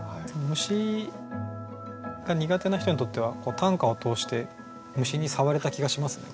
虫が苦手な人にとっては短歌を通して虫に触れた気がしますね。